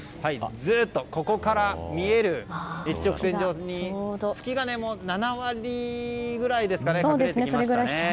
ずっとここから見える一直線上にもう月が７割ぐらいですかね隠れてきましたね。